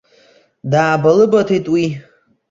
Даабалыбаҭеит уи.